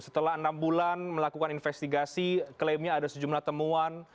setelah enam bulan melakukan investigasi klaimnya ada sejumlah temuan